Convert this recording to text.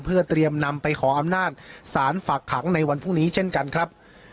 เพื่อเตรียมนำไปขออำนาจศาลฝากขังในวันพรุ่งนี้เช่นกันครับ